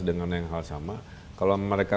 dengan yang hal sama kalau mereka